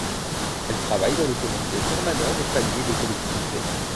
Elle travaille dans le Comité permanent des familles et des collectivités.